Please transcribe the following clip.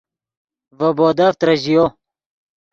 ڤے بودف ترژیو